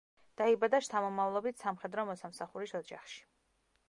დაიბადა შთამომავლობით სამხედრო მოსამსახურის ოჯახში.